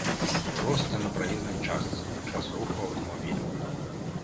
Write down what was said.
Проста на праезнай частцы, падчас руху аўтамабіляў.